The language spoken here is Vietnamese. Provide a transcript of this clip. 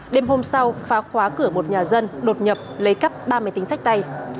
đêm hôm sau phá khóa cửa một nhà dân đột nhập lấy cắp ba máy tính sách tay